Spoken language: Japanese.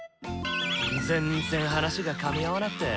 全然話がかみ合わなくて。